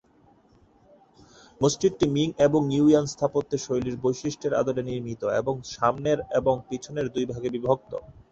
মসজিদটি মিং এবং ইউয়ান স্থাপত্য শৈলীর বৈশিষ্ট্যের আদলে নির্মিত এবং সামনের এবং পিছনের দুইভাগে বিভক্ত।